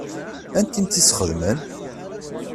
Anta i m-tt-ixedmen?